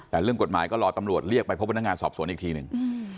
แต่เรื่องกฎหมายก็รอตำรวจเรียกไปพบพนักงานสอบสวนอีกทีหนึ่ง